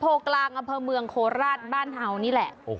โพกลางอำเภอเมืองโคราชบ้านเห่านี่แหละ